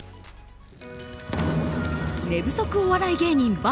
寝不足お笑い芸人ＶＳ